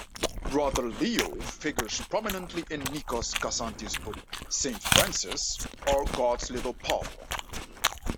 Brother Leo figures prominently in Nikos Kazantzakis' book "Saint Francis," or "God's Little Pauper.